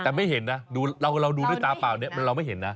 แต่ไม่เห็นนะเราดูด้วยตาเปล่านี้เราไม่เห็นนะ